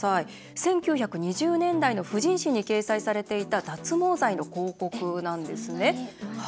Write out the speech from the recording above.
１９２０年代の婦人誌に掲載されていた脱毛剤の広告なんですね。